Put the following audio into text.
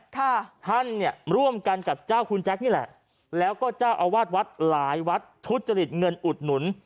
ท่านเนี่ยร่วมกันกับเจ้าคุณแจ๊คนี่แหละแล้วก็เจ้าอาวาสวัดหลายวัดทุจริตเงินอุดหนุน